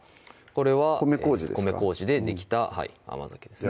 これは米糀でできた甘酒ですね